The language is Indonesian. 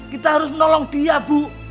kita harus menolong dia bu